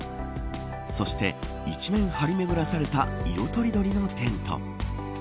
そして一面張り巡らされた色とりどりのテント。